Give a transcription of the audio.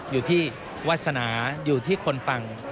อยู่ที่วาสนาอยู่ที่คนฟัง